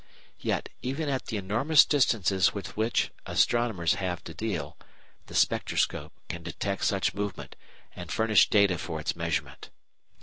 Yet, even at the enormous distances with which astronomers have to deal, the spectroscope can detect such movement and furnish data for its measurement.